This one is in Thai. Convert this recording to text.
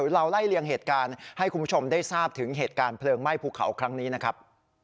เราไล่เลี่ยงเหตุการณ์ให้คุณผู้ชมได้ทราบถึงเหตุการณ์เพลิงไหม้ภูเขาครั้งนี้นะครับ